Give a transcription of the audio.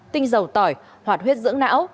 tinh dầu tỏi hoạt huyết dưỡng não